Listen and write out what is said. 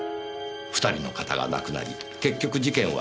２人の方が亡くなり結局事件は未解決。